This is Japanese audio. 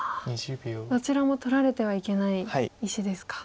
どちらも取られてはいけない石ですか。